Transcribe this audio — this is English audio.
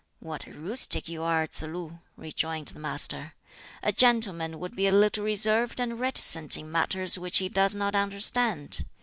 "What a rustic you are, Tsz lu!" rejoined the Master. "A gentleman would be a little reserved and reticent in matters which he does not understand.